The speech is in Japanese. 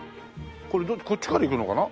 これどっちこっちから行くのかな？